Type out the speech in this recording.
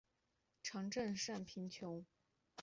常赈赡贫穷。